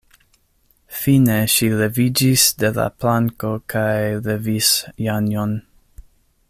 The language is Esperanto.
Fine ŝi leviĝis de la planko kaj levis Janjon.